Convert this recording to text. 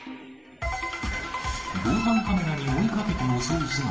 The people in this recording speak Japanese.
防犯カメラに追いかけて襲う姿。